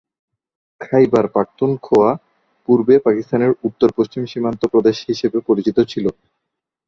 খাইবার পাখতুনখোয়া পূর্বে পাকিস্তানের উত্তর-পশ্চিম সীমান্ত প্রদেশ হিসাবে পরিচিত ছিল।